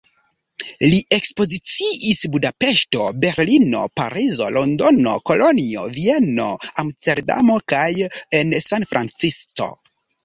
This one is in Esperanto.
Li ekspoziciis Budapeŝto, Berlino, Parizo, Londono, Kolonjo, Vieno, Amsterdamo kaj en San Francisco.